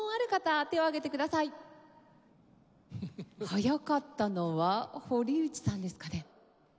早かったのは堀内さんですかね。